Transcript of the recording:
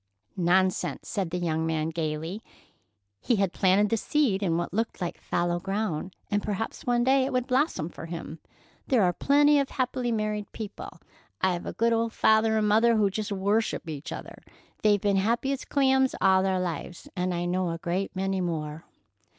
"Nonsense!" said the young man gayly. He had planted the seed in what looked like fallow ground, and perhaps one day it would blossom for him. "There are plenty of happy married people. I've a good old father and mother who just worship each other. They've been happy as clams all their lives, and I know a great many more.